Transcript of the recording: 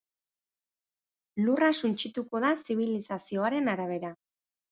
Lurra suntsituko da, zibilizazio haren arabera.